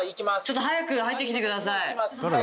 早く入って来てください。